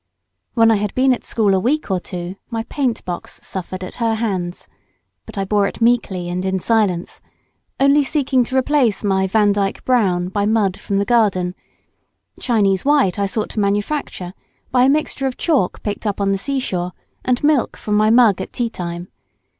When I had been at school a week or two my paint box suffered at her hands, but I bore it meekly and in silence, only seeking to replace my Vandyke brown by mud from the garden. Chinese white I sought to manufacture by a mixture of chalk picked up on the sea shore, and milk from my mug at tea time.